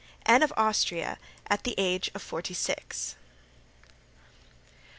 Anne of Austria at the Age of Forty six.